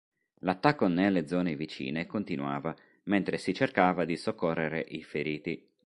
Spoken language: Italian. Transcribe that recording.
L'attacco nelle zone vicine continuava mentre si cercava di soccorrere i feriti.